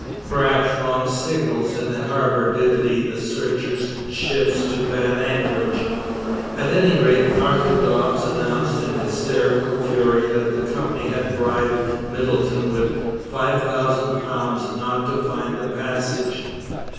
Perhaps wrong signals in the harbours did lead the searchers' ships to bad anchorage. At any rate Arthur Dobbs announced in hysterical fury that the Company had bribed Middleton with £5000 not to find the Passage.